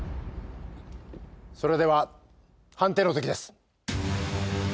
それでは判定の刻です。